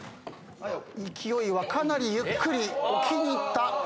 勢いはかなりゆっくり置きにいった。